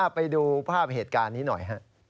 ไปดูภาพเหตุการณ์นี้หน่อย